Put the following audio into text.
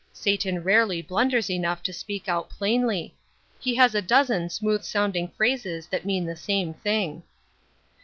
Satan rarely blunders enough to speak out plainly; he has a dozen smooth sounding phrases that mean the same thing.